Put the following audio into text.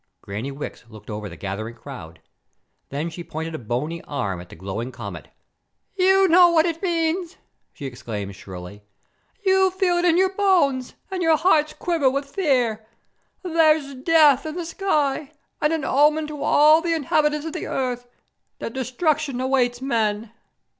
Granny Wicks looked over the gathering crowd. Then she pointed a bony arm at the glowing comet. "You know what it means," she exclaimed shrilly. "You feel it in your bones, and your hearts quiver with fear. There's death in the sky, and an omen to all the inhabitants of the Earth that destruction awaits men."